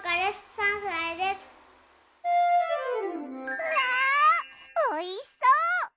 うわおいしそう！